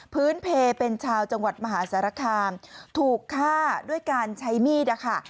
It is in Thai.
พื้นเพเป็นชาวจังหวัดมหาศาลักษณ์ถูกฆ่าด้วยการใช้มีดค่ะ